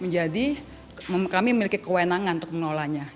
jadi kami memiliki kewenangan untuk menolanya